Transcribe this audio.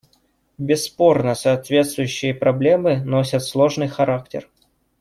Бесспорно, соответствующие проблемы носят сложный характер.